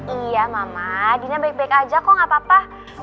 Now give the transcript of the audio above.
iya mama dina baik baik aja kok gak apa apa